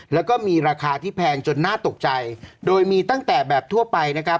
แล้วก็มีราคาที่แพงจนน่าตกใจโดยมีตั้งแต่แบบทั่วไปนะครับ